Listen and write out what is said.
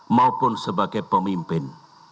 maupun sebagai pemimpin